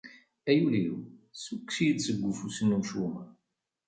Ay Illu-iw, ssukkes-iyi-d seg ufus n umcum.